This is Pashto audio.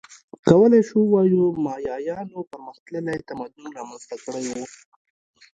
کولای شو ووایو مایایانو پرمختللی تمدن رامنځته کړی و